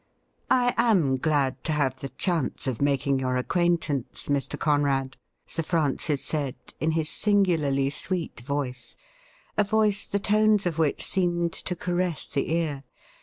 ' I am glad to have the chance of making your acquaint ance, Mr. Conrad,' Sir Francis said, in his singularly sweet voice — a voice the tones of which seemed to caress the ear.